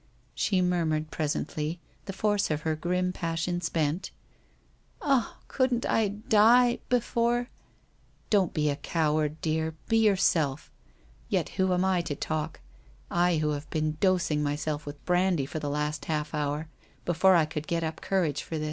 She mur mured presently, the force of her grim passion spent 'Ah, couldn't I die — before '' Don't be a coward, dear. Be yourself. Yet who am I to talk, I who have been dosing myself with brandy for the last half hour before I could get up courage for Una!'